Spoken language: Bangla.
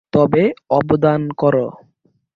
তবে অবধান করো।